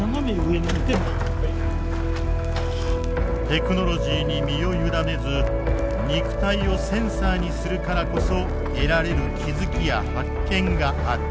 テクノロジーに身を委ねず肉体をセンサーにするからこそ得られる気付きや発見がある。